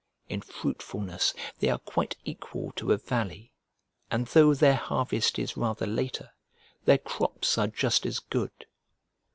In fruitfulness they are quite equal to a valley, and though their harvest is rather later, their crops are just as good.